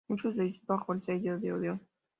Muchos de ellos bajo el sello Odeón.